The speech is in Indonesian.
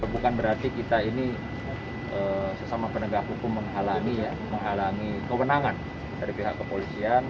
bukan berarti kita ini sesama penegak hukum menghalangi kewenangan dari pihak kepolisian